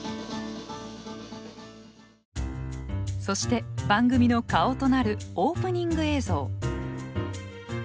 そして番組の顔となるオープニング映像。